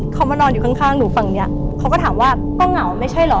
เขามานอนอยู่ข้างข้างหนูฝั่งเนี้ยเขาก็ถามว่าก็เหงาไม่ใช่เหรอ